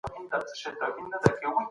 تیر کال خلګو ډیر لږ پس انداز درلود.